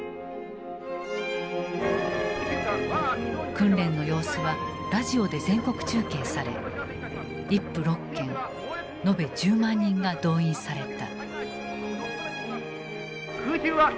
訓練の様子はラジオで全国中継され１府６県延べ１０万人が動員された。